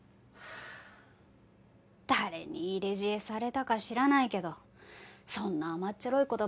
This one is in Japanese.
誰に入れ知恵されたか知らないけどそんな甘っちょろい